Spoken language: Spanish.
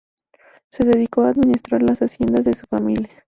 Se dedicó a administrar las haciendas de su familia.